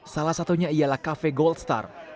salah satunya ialah kafe gold star